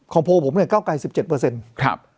ของโพลผมเนี่ยเก้าไก่สิบเจ็ดเปอร์เซ็นต์ครับ